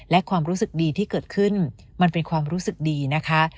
และความรู้สึกดีที่เกิดขึ้นมันเป็นความรู้สึกดีนะคะ